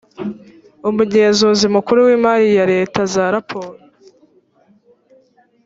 umugenzuzi mukuru w imari ya leta za raporo